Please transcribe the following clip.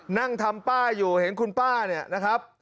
นั่งทำป้าอยู่เห็นคุณป้าเนี่ยนะครับ